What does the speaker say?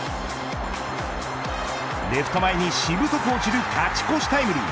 レフト前にしぶとく落ちる勝ち越しタイムリー。